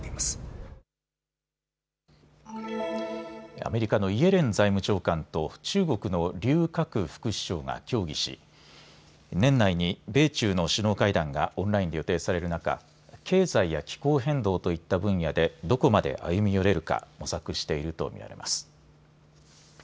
アメリカのイエレン財務長官と中国の劉鶴副首相が協議し年内に米中の首脳会談がオンラインで予定される中、経済や気候変動といった分野でどこまで歩み寄れるか模索していると見られます。